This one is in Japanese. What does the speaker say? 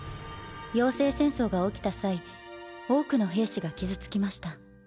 妖精戦争が起きた際多くの兵士が傷つきました。